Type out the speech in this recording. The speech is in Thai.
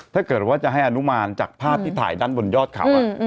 ถ้าเกิดว่าจะให้อนุมานจากภาพที่ถ่ายด้านบนยอดเขา